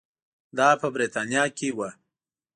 دا په برېټانیا کې وو.